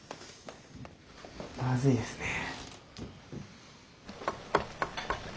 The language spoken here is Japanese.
まずいですね。